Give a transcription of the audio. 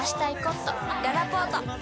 ららぽーと